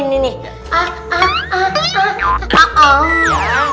pak pak kira pak kira